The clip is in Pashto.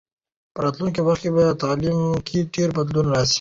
په راتلونکي وخت کې به په تعلیم کې ډېر بدلون راسي.